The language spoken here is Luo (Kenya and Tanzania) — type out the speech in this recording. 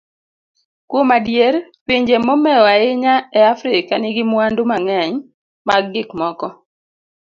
Kuom adier, pinje momewo ahinya e Afrika nigi mwandu mang'eny mag gik moko.